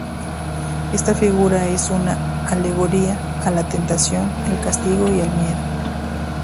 Esta figura es una alegoría a la tentación, al castigo y al miedo.